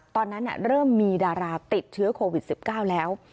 ตอนนั้นเริ่มมีดาราติดเชื้อโควิด๑๙แล้ว